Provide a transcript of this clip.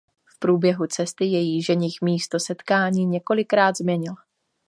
V průběhu cesty její ženich místo setkání několikrát změnil.